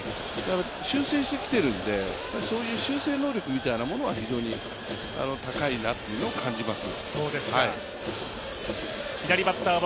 修正してきているので、だから修正能力みたいなものは非常に高いなというのを感じます。